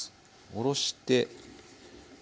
下ろして。